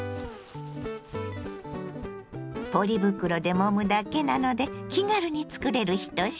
ポリ袋でもむだけなので気軽につくれる一品。